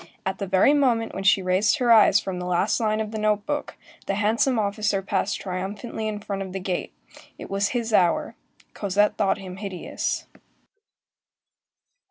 At the very moment when she raised her eyes from the last line of the note book, the handsome officer passed triumphantly in front of the gate,—it was his hour; Cosette thought him hideous.